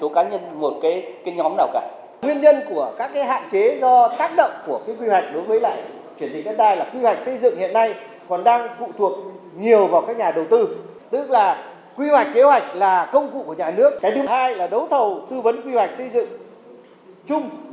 cái thứ hai là đấu thầu tư vấn quy hoạch xây dựng chung